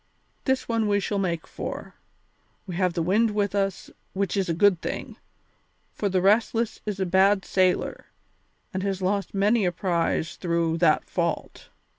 This one we shall make for. We have the wind with us, which is a good thing, for the Restless is a bad sailer and has lost many a prize through that fault.